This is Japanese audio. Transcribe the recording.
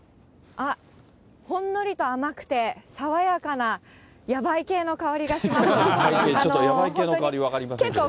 あっ、ほんのりと甘くて、さわやかな野梅系の香りがします。